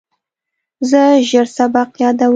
زه ژر سبق یادوم.